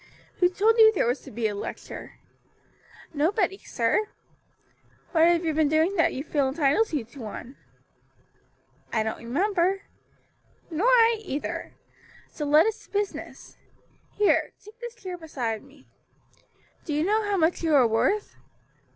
"Who told you there was to be a lecture?" "Nobody, sir." "What have you been doing that you feel entitles you to one?" "I don't remember." "Nor I either. So let us to business. Here, take this chair beside me. Do you know how much you are worth?"